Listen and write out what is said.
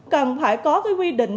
cần phải có cái quy định